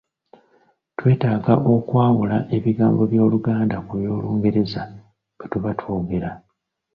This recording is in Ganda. Twetaaga okwawula ebigambo by’Oluganda ku by'Olungereza bwetuba twogera.